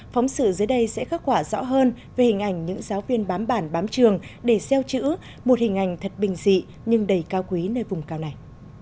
phóng sự dưới đây sẽ khắc quả rõ hơn về hình ảnh những giáo viên bám bản bám trường để xeo chữ một hình ảnh thật bình dị nhưng đầy cao quý nơi vùng cao này